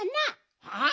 はあ？